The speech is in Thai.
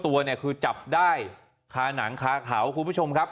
ตัวเนี่ยคือจับได้คาหนังคาเขาคุณผู้ชมครับ